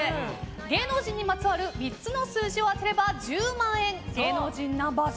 芸能人にまつわる３つの数字を当てれば１０万円芸能人ナンバーズ。